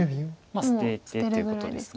まあ捨ててということです。